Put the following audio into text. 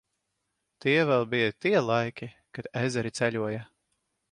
Tie vēl bija tie laiki, kad ezeri ceļoja.